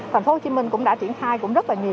tp hcm cũng đã triển khai rất là nhiều